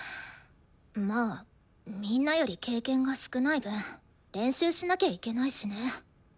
まあみんなより経験が少ない分練習しなきゃいけないしね。